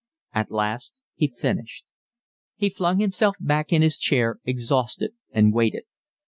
At last he finished. He flung himself back in his chair, exhausted, and waited.